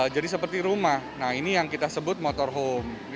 jadi seperti rumah nah ini yang kita sebut motorhome